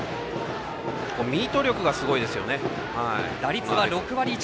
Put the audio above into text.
ミート力がすごいですよね。